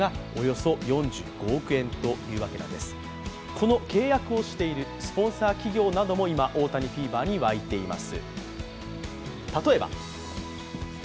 この契約をしているスポンサー企業なども今、大谷フィーバーに沸いています。